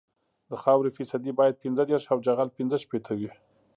د خاورې فیصدي باید پنځه دېرش او جغل پینځه شپیته وي